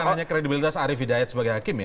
bukan hanya kredibilitas arief hidayat sebagai hakim ya